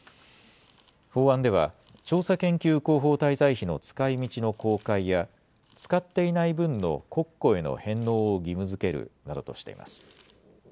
法案では調査研究広報滞在費の使いみちの公開や使っていない分の国庫への返納を義務づけるなどとしています。